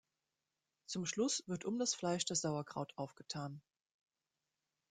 Zum Schluss wird um das Fleisch das Sauerkraut aufgetan.